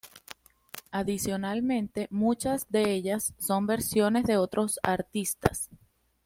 Adicionalmente, muchas de ellas son versiones de otros artistas.